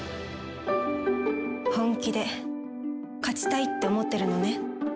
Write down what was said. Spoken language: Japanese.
本気で勝ちたいって思ってるのね？